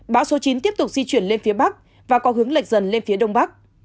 bão số chín tiếp tục di chuyển lên phía bắc và có hướng lệch dần lên phía đông bắc